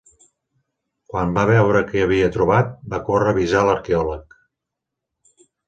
Quan va veure què havia trobat, va córrer a avisar l'arqueòleg.